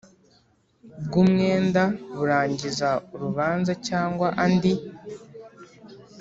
bw umwenda kurangiza urubanza cyangwa andi